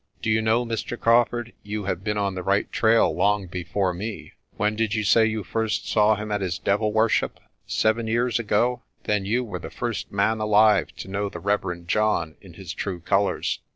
Do you know, Mr. Crawfurd, you have been on the right trail long before me? When did you say you saw him at his devil worship? Seven years ago? Then you were the first man alive to know the Reverend John in his true colours.